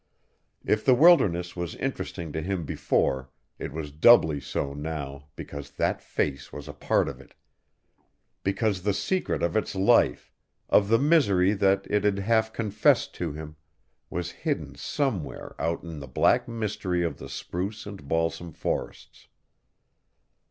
If the wilderness was interesting to him before it was doubly so now because that face was a part of it, because the secret of its life, of the misery that it had half confessed to him, was hidden somewhere out in the black mystery of the spruce and balsam forests.